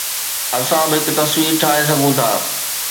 اسان به هڪ تصوير ٺاهي سگهون ٿا